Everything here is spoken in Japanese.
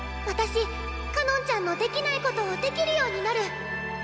私かのんちゃんのできないことをできるようになる！